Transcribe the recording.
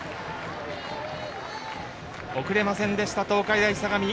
送れませんでした、東海大相模。